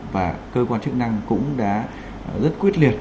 và cơ quan chức năng cũng đã rất quyết liệt